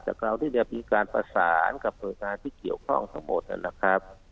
จากเราที่มีการประสานกับประสานที่เกี่ยวข้องทั้งหมดนะครับ